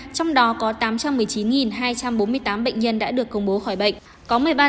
tám trăm tám mươi một ca trong đó có tám trăm một mươi chín hai trăm bốn mươi tám bệnh nhân đã được công bố khỏi bệnh